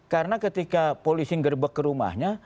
karena ketika polisi gerbek ke rumahnya